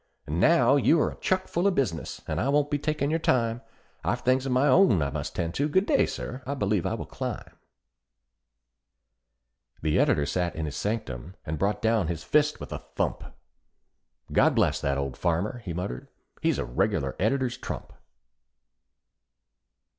And now you are chuck full of business, and I won't be takin' your time; I've things of my own I must 'tend to good day, sir, I b'lieve I will climb." The Editor sat in his sanctum and brought down his fist with a thump: "God bless that old farmer," he muttered, "he's a regular Editor's trump."